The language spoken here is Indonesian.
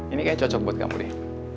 ini kayaknya cocok buat kamu nih